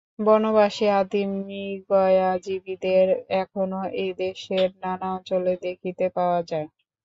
বনবাসী আদিম মৃগয়াজীবীদের এখনও এদেশের নানা অঞ্চলে দেখিতে পাওয়া যায়।